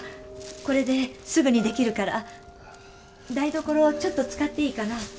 これですぐにできるから台所ちょっと使っていいかな？